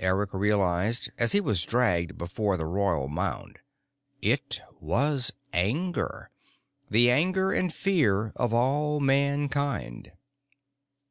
Eric realized as he was dragged before the Royal Mound. It was anger. The anger and fear of all Mankind.